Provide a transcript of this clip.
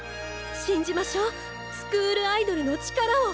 信じましょうスクールアイドルの力を！